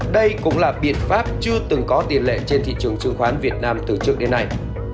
đây cũng là biện pháp chưa từng có tiền lệ trên thị trường chứng khoán việt nam từ trước đến nay